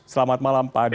selamat malam pak adi